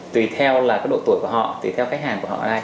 tùy theo là cái độ tuổi của họ tùy theo khách hàng của họ là ai